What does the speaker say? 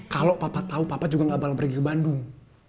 kalau papa tahu papa juga gak boleh pergi ke bandung